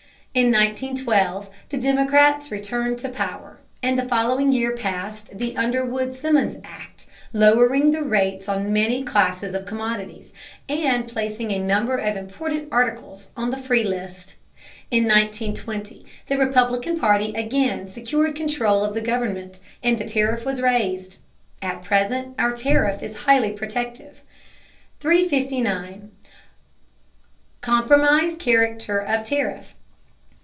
In 1912 the Democrats returned to power, and the following year passed the Underwood Simmons Act, lowering the rates on many classes of commodities, and placing a number of important articles on the free list. In 1920 the Republican party again secured control of the government, and the tariff was raised. At present our tariff is highly protective. 359. COMPROMISE CHARACTER OF TARIFF.